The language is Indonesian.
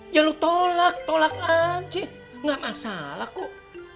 ya lu tolak tolak aja gak masalah kok